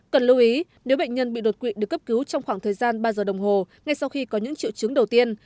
cần lưu ý nếu bệnh nhân bị đột quỵ được cấp cứu trong khoảng thời gian ba giờ đồng hồ ngay sau khi có những triệu chứng đầu tiên